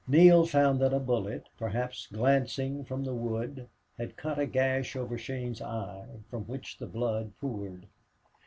Neale found that a bullet, perhaps glancing from the wood, had cut a gash over Shane's eye, from which the blood poured.